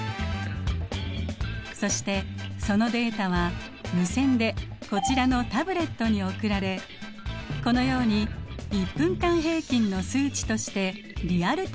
そしてそのデータは無線でこちらのタブレットに送られこのように１分間平均の数値としてリアルタイムに表示されます。